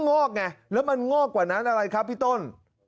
งอกไงแล้วมันงอกกว่านั้นอะไรครับพี่ต้น